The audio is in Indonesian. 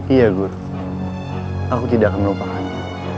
iya guru aku tidak akan lupakannya